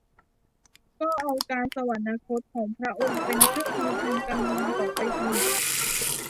ก็เอาการสวรรคตของพระองค์เป็นเครื่องมือทางการเมืองต่อไปอีก